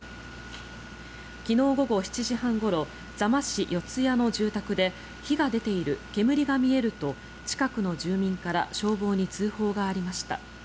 昨日午後７時半ごろ座間市四ツ谷の住宅で火が出ている、煙が見えると近くの住民から消防に通報がありました。